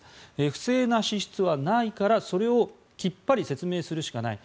不正な支出はないからそれをきっぱり説明するしかない。